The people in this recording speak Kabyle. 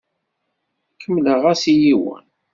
Kemmleɣ-as i yiwen.